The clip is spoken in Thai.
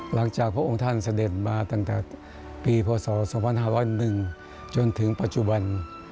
พระองค์ท่านเสด็จมาตั้งแต่ปีพศ๒๕๐๑จนถึงปัจจุบัน